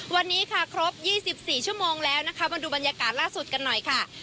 วันนี้ค่ะครบ๒๔ชั่วโมงแล้วนะคะมาดูบรรยากาศล่าสุดกันหน่อยค่ะ